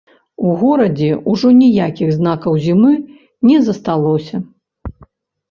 У горадзе ўжо ніякіх знакаў зімы не засталося.